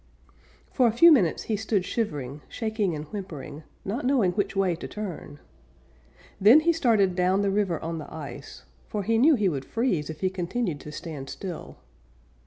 For a few minutes he stood shivering, shaking and whimpering, not knowing which way to turn. Then he started down the river on the ice, for he knew he would freeze if he continued to stand still.